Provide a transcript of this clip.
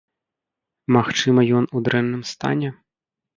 Магчыма, ён у дрэнным стане?